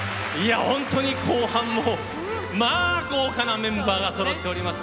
本当に後半もまあ、豪華なメンバーがそろっております。